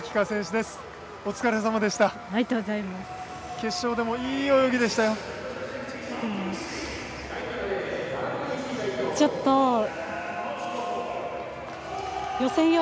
決勝でもいい泳ぎでしたよ。